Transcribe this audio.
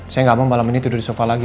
saya nggak mau malam ini tidur di sofa lagi